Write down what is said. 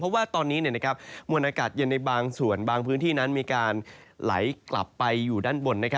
เพราะว่าตอนนี้มวลอากาศเย็นในบางส่วนบางพื้นที่นั้นมีการไหลกลับไปอยู่ด้านบน